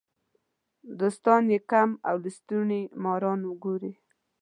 دوستان یې کم او لستوڼي ماران ګوري.